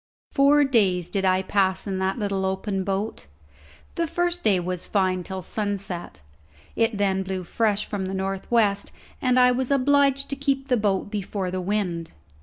Four days did I pass in that little open boat. The first day was fine, till sunset; it then blew fresh from the north west, and I was obliged to keep the boat before the wind.